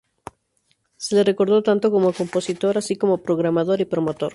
Se le recordó tanto como compositor, así como programador y promotor.